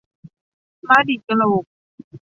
ม้าดีดกระโหลก